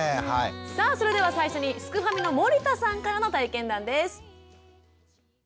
さあそれでは最初にすくファミの森田さんからの体験談です。